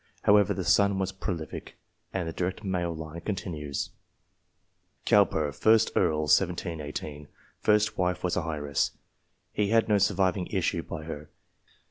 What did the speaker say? However, the son was prolific, and the direct male line continues. Cowper, 1st Earl (1718). First wife was an heiress ; he had no surviving issue by her.